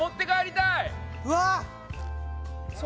・うわっ！